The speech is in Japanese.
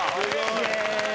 イエーイ！